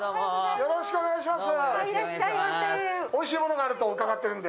よろしくお願いします。